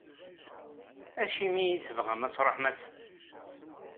Acimi i tebɣam ad tṛuḥem ass-a?